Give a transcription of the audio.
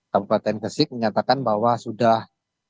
kabupaten gresik menyatakan bahwa sudah